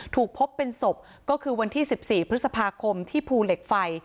ถูกพบเป็นศพก็คือวันที่๑๔พฤษภาคมที่ภูเหล็กไฟ